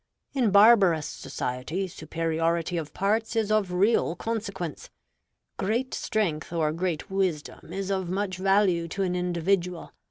"In barbarous society, superiority of parts is of real consequence. Great strength or great wisdom is of much value to an individual.